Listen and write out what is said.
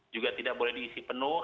juga tidak boleh diisi penuh